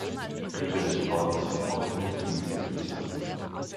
Ritter des Ordens vom Goldenen Vlies in Österreich.